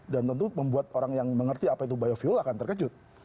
dan tentu membuat orang yang mengerti apa itu biofuel akan terkejut